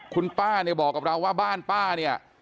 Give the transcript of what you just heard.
คุณป้าเนี่ยบอกกับเราว่าบ้านป้าเนี่ย